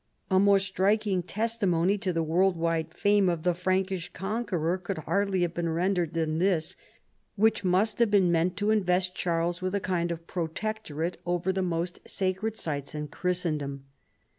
A more striking testimony to the world wide fame of the Prankish conqueror could hardly have been rendered than this, which must have been meant to invest Charles with a kind of protectorate over the most sacred sites in Chris tendom.